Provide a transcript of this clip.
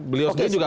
beliau sendiri juga